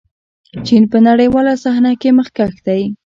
چین په نړیواله صحنه کې مخکښ دی.